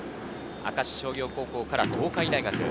明石商業高校から東海大学。